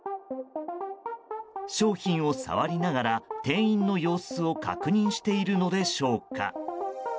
商品を触りながら店員の様子を確認しているのでしょうか。